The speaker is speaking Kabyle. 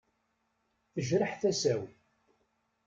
Tejreḥ tasa-w.